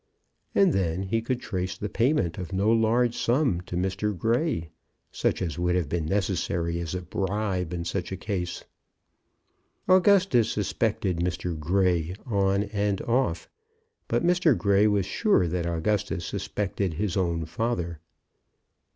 And then he could trace the payment of no large sum to Mr. Grey, such as would have been necessary as a bribe in such a case. Augustus suspected Mr. Grey, on and off. But Mr. Grey was sure that Augustus suspected his own father.